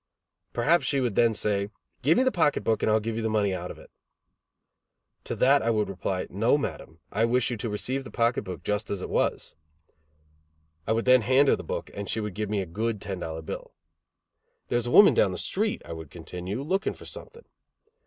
Perhaps she would then say: "Give me the pocket book and I'll give you the money out of it." To that I would reply: "No, Madam, I wish you to receive the pocket book just as it was." I would then hand her the book and she would give me a good ten dollar bill. "There is a woman down the street," I would continue, "looking for something."